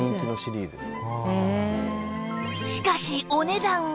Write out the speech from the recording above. しかしお値段は？